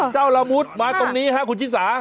ละมุดมาตรงนี้ครับคุณชิสา